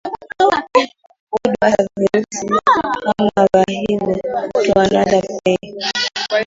udu hasa virusi kama vya hiv to another pay